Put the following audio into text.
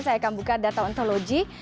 saya akan buka data ontologi